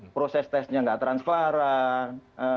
proses testnya tidak transklaran